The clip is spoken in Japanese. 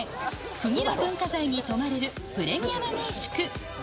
国の文化財に泊まれるプレミアム民宿。